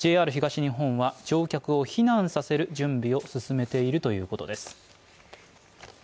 ＪＲ東日本は乗客を避難させる準備を進めているということです。